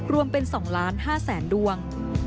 รวมเป็น๒ล้าน๕แสนดวง